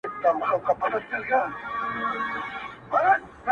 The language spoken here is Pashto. زموږ غاښو ته تيږي نه سي ټينگېدلاى!.